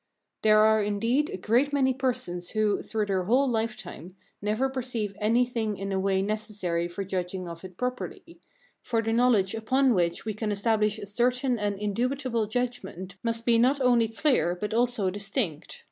There are indeed a great many persons who, through their whole lifetime, never perceive anything in a way necessary for judging of it properly; for the knowledge upon which we can establish a certain and indubitable judgment must be not only clear, but also, distinct.